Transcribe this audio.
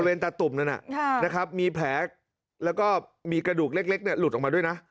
บริเวณตัดตุ่มนั้นน่ะฮะนะครับมีแผลแล้วก็มีกระดูกเล็กเนี่ยหลุดออกมาด้วยนะ